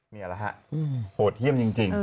นี่แหละฮะโหดเยี่ยมจริง